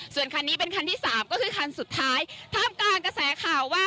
ส่วนคันนี้เป็นคันที่สามก็คือคันสุดท้ายท่ามกลางกระแสข่าวว่า